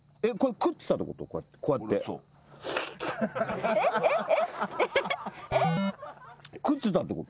食ってたってこと？